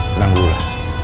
tenang dulu lah